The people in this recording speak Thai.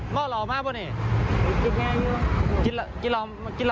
อ๋อมันต้องด้วยด้วยอัตเงินแขวนศัตรูช่วยเยอะ